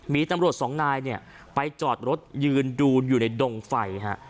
มีตำรวจสองนายเนี่ยไปจอดรถยืนดูอยู่ในดงไฟฮะ